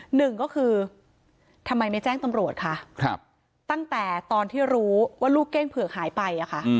หนึ่งก็คือทำไมไม่แจ้งตำรวจคะตั้งแต่ตอนที่รู้ว่าลูกเก้งเผือกหายไปอ่ะค่ะ